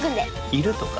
いるとか？